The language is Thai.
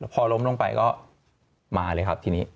พอล้มลงไปก็มาเลยครับทีนี้